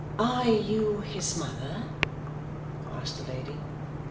'Are you his mother?' asked the lady.